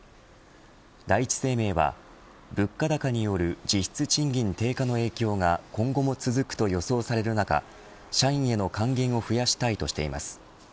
第一生命は物価高による実質賃金低下の影響が今後も続くと予想される中社員への還元を増やしたいとしています。